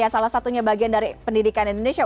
salah satunya bagian dari pendidikan indonesia